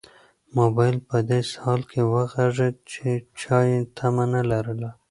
موبایل په داسې حال کې وغږېد چې چا یې تمه نه لرله.